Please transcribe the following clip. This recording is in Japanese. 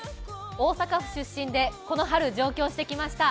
大阪府出身でこの春、上京してきました。